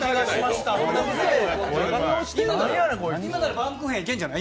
今ならバウムクーヘンいけんじゃない？